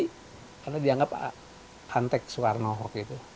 karena dianggap hantek soeharto